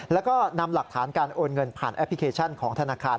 แล้วก็นำหลักฐานการโอนเงินผ่านแอปพลิเคชันของธนาคาร